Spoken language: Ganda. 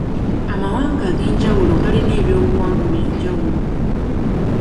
Amawanga ag'enjawulo galina eby'obuwangwa bya njawulo.